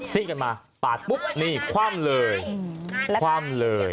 ซิ่งกันมาปากปุ๊บนี่ความเรย์ความเรย์